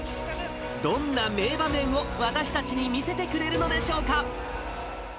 どんな名場面を私たちに見せてくれるのでしょうか。